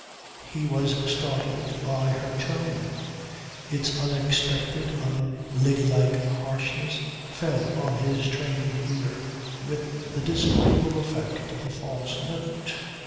He was startled by her tone. Its unexpected, unlady like harshness fell on his trained ear with the disagreeable effect of a false note.